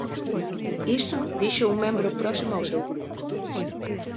Iso díxoo un membro próximo ao seu grupo.